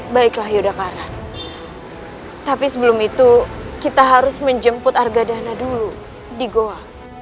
baiklah yudhakarat tapi sebelum itu kita harus menjemput argadana dulu di goa